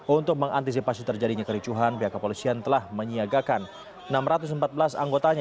untuk mengantisipasi terjadinya kericuhan pihak kepolisian telah menyiagakan enam ratus empat belas anggotanya